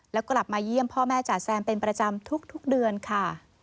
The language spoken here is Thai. แล้วกลับมาเยี่ยมพ่อแม่จ๋าแซมเป็นประจำทุกเดือนค่ะ